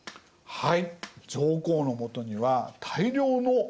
はい。